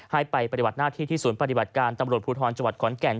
ให้ไปปฏิบัติหน้าที่ที่ศูนย์ปฏิบัติการตำรวจภูทรจังหวัดขอนแก่น